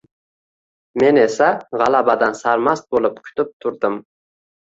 Men esa gʻalabadan sarmast boʻlib kutib turdim.